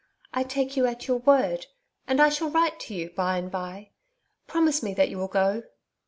I take you at your word, and I shall write to you, by and by. Promise me that you will go.'